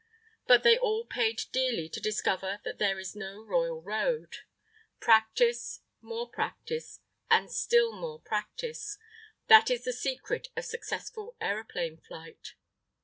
But they all paid dearly to discover that there is no royal road. Practice, more practice, and still more practice that is the secret of successful aeroplane flight.